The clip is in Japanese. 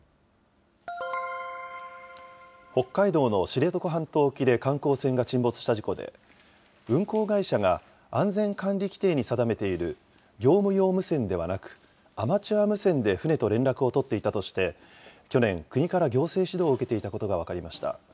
北海道の知床半島沖で観光船が沈没した事故で、運航会社が安全管理規程に定めている業務用無線ではなく、アマチュア無線で船と連絡を取っていたとして、去年、国から行政指導を受けていたことが分かりました。